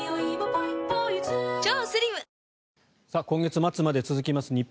今月末まで続きます